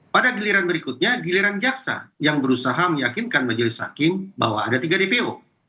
pada giliran berikutnya giliran jaksa yang berusaha meyakinkan majelis hakim bahwa ada tiga dpo